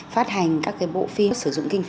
phát hành các bộ phim sử dụng kinh phí